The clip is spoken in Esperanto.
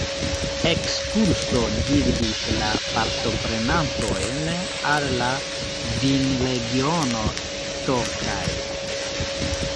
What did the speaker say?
Ekskurso gvidis la partoprenantojn al la vinregiono Tokaj.